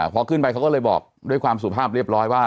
พอขึ้นไปเขาก็เลยบอกด้วยความสุภาพเรียบร้อยว่า